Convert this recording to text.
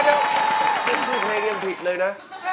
ถ้าท่านดูเพลงยังผิดเลยนะ